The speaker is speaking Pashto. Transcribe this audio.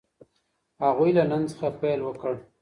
هغوی له نن څخه پيل وکړ.